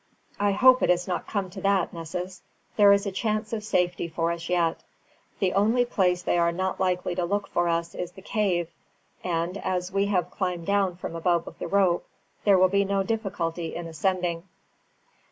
"I hope it has not come to that, Nessus. There is a chance of safety for us yet. The only place they are not likely to look for us is the cave, and as we have climbed down from above with the rope, there will be no difficulty in ascending."